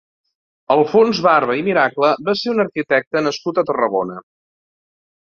Alfons Barba i Miracle va ser un arquitecte nascut a Tarragona.